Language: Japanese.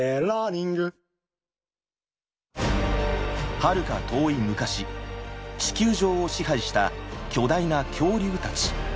はるか遠い昔地球上を支配した巨大な恐竜たち。